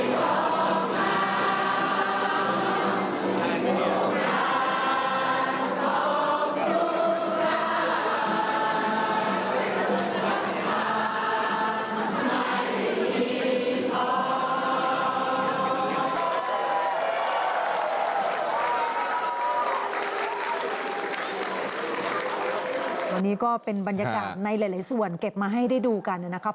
วันนี้ก็เป็นบรรยากาศในหลายส่วนเก็บมาให้ได้ดูกันนะครับ